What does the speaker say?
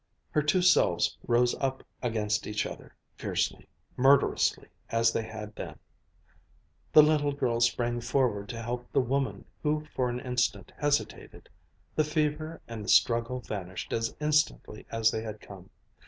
Her two selves rose up against each other fiercely, murderously, as they had then. The little girl sprang forward to help the woman who for an instant hesitated. The fever and the struggle vanished as instantly as they had come.